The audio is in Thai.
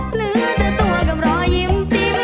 เหลือแต่ตัวกับรอยยิ้มติ้ว